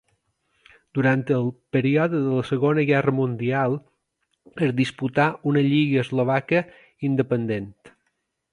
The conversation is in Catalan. Durant el període de la Segona Guerra Mundial es disputà una lliga eslovaca independent.